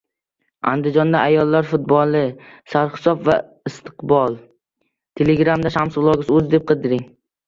Andijonda ayollar futboli: sarhisob va istiqbol